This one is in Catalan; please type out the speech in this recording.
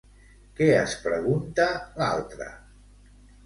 Què es pregunta l'altra?